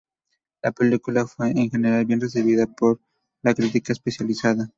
La película fue en general bien recibida por la crítica especializada.